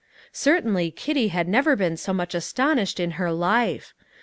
Certainly Kitty had never been so much astonished in her life.